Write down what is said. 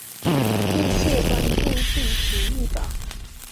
密切关注汛情预报